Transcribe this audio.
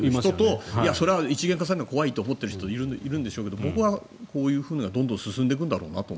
それは一元化されるのは怖いと思ってる人はいるんでしょうけど僕はこういうふうにどんどん進んでいくんだろうなと。